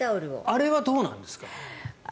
あれはどうなんですか？